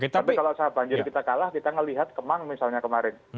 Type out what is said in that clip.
tapi kalau saat banjir kita kalah kita melihat kemang misalnya kemarin